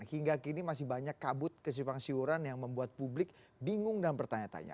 hingga kini masih banyak kabut kesimpang siuran yang membuat publik bingung dan bertanya tanya